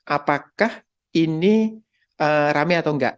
apakah ini rame atau enggak